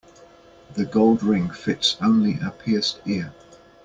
The gold ring fits only a pierced ear.